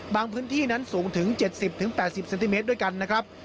พื้นที่นั้นสูงถึง๗๐๘๐เซนติเมตรด้วยกันนะครับ